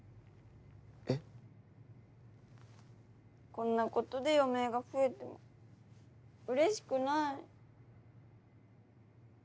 こんなことで余命が増えてもうれしくない。